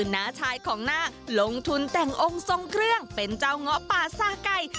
น้าชายของน่าลงทุนแต่งองค์ทรงเครื่องเป็นเจ้าเงาะป่าซาไก่